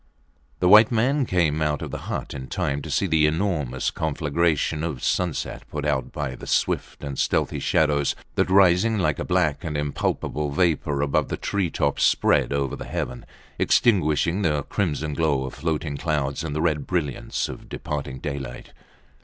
The white man came out of the hut in time to see the enormous conflagration of sunset put out by the swift and stealthy shadows that, rising like a black and impalpable vapour above the tree tops, spread over the heaven, extinguishing the crimson glow of floating clouds and the red brilliance of departing daylight.